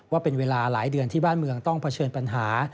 ว่าเป็นเวลาหลายเดือนที่บ้านเมืองต้องเผชิญปัญหา